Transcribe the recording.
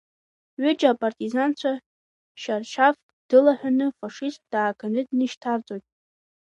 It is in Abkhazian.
Ҩыџьа апартизанцәа шьаршьафк дылаҳәаны фашистк дааганы днышьҭарҵоит.